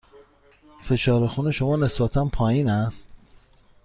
فشار خون شما نسبتاً پایین است.